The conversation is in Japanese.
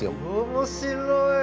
面白い！